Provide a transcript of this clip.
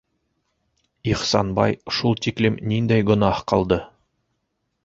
Ихсанбай шул тиклем ниндәй гонаһ ҡылды?